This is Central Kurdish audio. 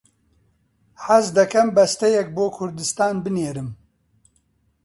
حەز دەکەم بەستەیەک بۆ کوردستان بنێرم.